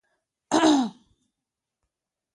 انا خپل شین جاینماز په ډېرې لړزې سره غونډ کړ.